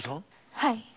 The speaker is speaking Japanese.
はい。